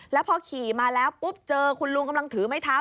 แล้วพอขี่มาแล้วปุ๊บเจอคุณลุงกำลังถือไม้เท้า